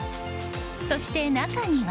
そして中には。